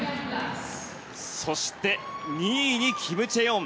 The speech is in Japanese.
そして、２位にキム・チェヨン。